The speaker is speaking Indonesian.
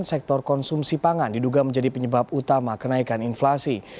sektor konsumsi pangan diduga menjadi penyebab utama kenaikan inflasi